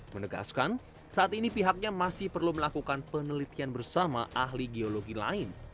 menegaskan saat ini pihaknya masih perlu melakukan penelitian bersama ahli geologi lain